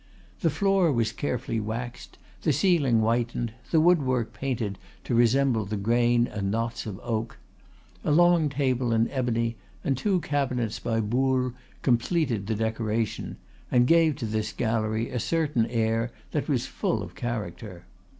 The floor was carefully waxed, the ceiling whitened, the wood work painted to resemble the grain and knots of oak. A long table in ebony and two cabinets by Boulle completed the decoration, and gave to this gallery a certain air that was full of character.